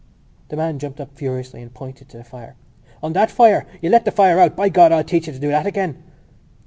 The man jumped up furiously and pointed to the fire. "On that fire! You let the fire out! By God, I'll teach you to do that again!"